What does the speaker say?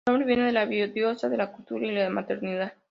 Su nombre viene de la diosa de la cultura y la maternidad.